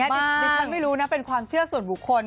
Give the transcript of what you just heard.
แต่อันนี้ดิฉันไม่รู้นะเป็นความเชื่อส่วนบุคคล